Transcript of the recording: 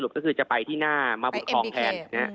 ก็คือจะไปที่หน้ามาบุญคลองแทน